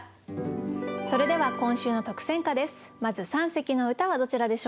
それでは今週の特選歌です。